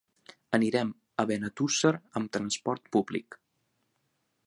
Anirem a Benetússer amb transport públic.